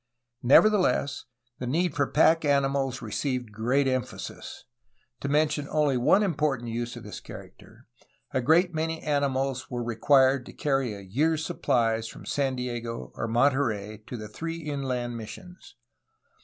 Nevertheless, the need for pack animals received great em phasis. To mention only one important use of this character, a great many animals were required to carry a year's sup plies from San Diego or Monterey to the three inland mis sions.